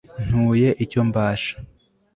ntuye icyo mbasha